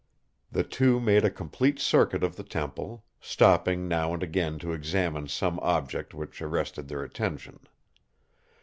The two made a complete circuit of the temple, stopping now and again to examine some object which arrested their attention.